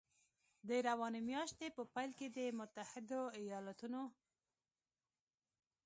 د روانې میاشتې په پیل کې د متحدو ایالتونو